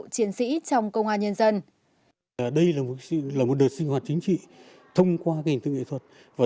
chiến sĩ trong công an nhân dân đây là một đợt sinh hoạt chính trị thông qua hình tượng nghệ thuật và